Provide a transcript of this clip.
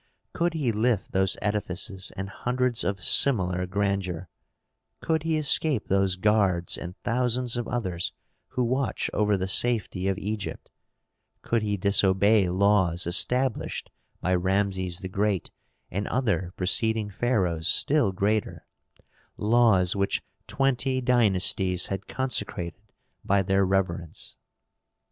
Could he lift those edifices and hundreds of similar grandeur; could he escape those guards and thousands of others who watch over the safety of Egypt; could he disobey laws established by Rameses the Great and other preceding pharaohs still greater, laws which twenty dynasties had consecrated by their reverence?